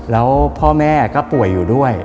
แล้วพ่อแม่ก็ป่วยอยู่ด้วย